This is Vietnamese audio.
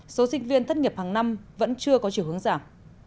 số sinh viên thất nghiệp hàng năm vẫn chưa có chiều hướng giảm